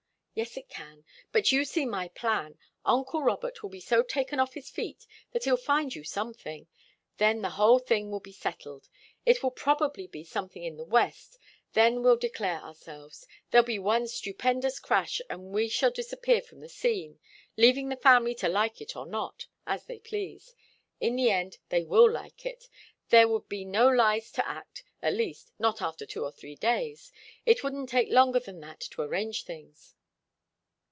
"Yes, it can. But you see my plan. Uncle Robert will be so taken off his feet that he'll find you something. Then the whole thing will be settled. It will probably be something in the West. Then we'll declare ourselves. There'll be one stupendous crash, and we shall disappear from the scene, leaving the family to like it or not, as they please. In the end they will like it. There would be no lies to act at least, not after two or three days. It wouldn't take longer than that to arrange things."